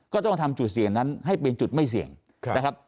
ก็ต้องทำจุดเสี่ยงนั้นให้เป็นจุดไม่เสี่ยงนะครับ